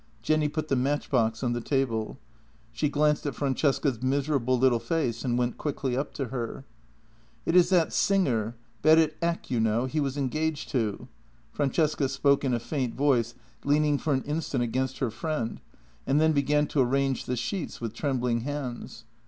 Jenny put the matchbox on the table. She glanced at Fran cesca's miserable little face and then went quietly up to her. " It is that singer, Berit Eck, you know, he was engaged to." Francesca spoke in a faint voice, leaning for an instant against her friend, and then began to arrange the sheets with trembling hands.